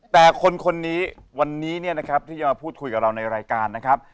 แต่คนนี้วันนี้เนี่ยนะครับที่จะมาพูดคุยกับเราในรายการนะครับ